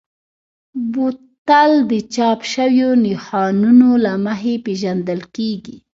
بوتل د چاپ شویو نښانونو له مخې پېژندل کېږي.